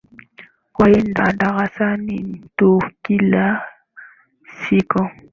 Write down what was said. Waenda darasani tu kila siku